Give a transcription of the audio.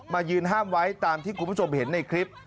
ยืนห้ามไว้ตามที่คุณผู้ชมเห็นในคลิป